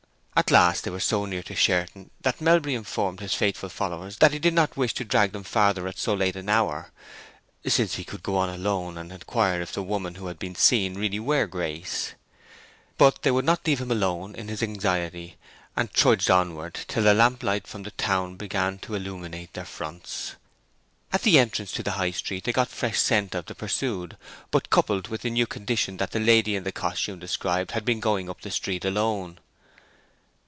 At last they were so near Sherton that Melbury informed his faithful followers that he did not wish to drag them farther at so late an hour, since he could go on alone and inquire if the woman who had been seen were really Grace. But they would not leave him alone in his anxiety, and trudged onward till the lamplight from the town began to illuminate their fronts. At the entrance to the High Street they got fresh scent of the pursued, but coupled with the new condition that the lady in the costume described had been going up the street alone.